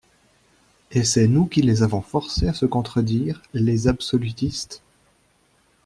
Et c'est nous qui les avons forcés à se contredire, les absolutistes!